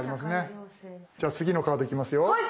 じゃあ次のカードいきますよ。